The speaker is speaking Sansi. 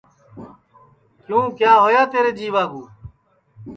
کیوں کیا ہوا تیرے جیوا کُو